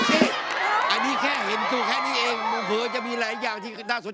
ถ้าเกิดว่าคุณได้เป็นแฟนของคุณมีน